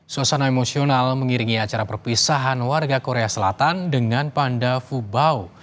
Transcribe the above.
suasana emosional mengiringi acara perpisahan warga korea selatan dengan panda fubau